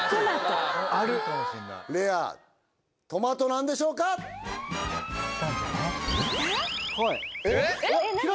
レアトマトなんでしょうかいった？